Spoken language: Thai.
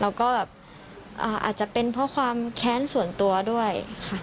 แล้วก็แบบอาจจะเป็นเพราะความแค้นส่วนตัวด้วยค่ะ